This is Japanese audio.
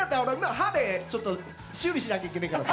ハーレー修理しなきゃいけないからさ。